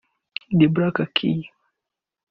-- The Black Keys